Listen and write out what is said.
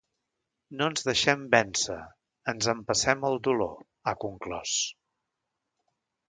No ens deixem vèncer, ens empassem el dolor, ha conclòs.